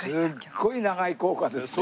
すごい長い校歌ですね。